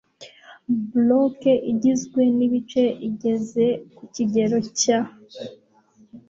block igizwe n ibice igeze ku kigero cya